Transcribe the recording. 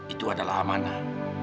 itu adalah amanah